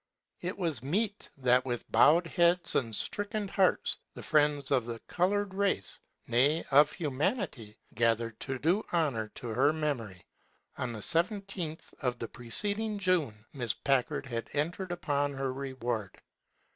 It was meet that with bowed heads and stricken hearts the friends of the colored race — ^nay, of humanity — gather to do honor to her memory. On the 17th of the preceding June Miss Packard had entered upon her reward.